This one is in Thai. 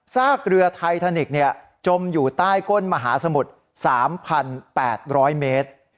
ซากเรือไททานิกส์จมอยู่ใต้ก้นมหาสมุทร๓๘๐๐เมตร